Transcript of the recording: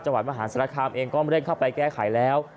วัดมหาศาลคามเองก็เร่งเข้าไปแก้ไขแล้ว